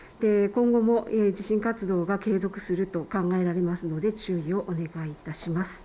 今後も地震活動が継続すると考えられますので注意をお願いいたします。